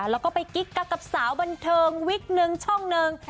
แล้วก็ไปกิ๊กกักกับสาวบันเทิงวิกหนึ่งช่องหนึ่ง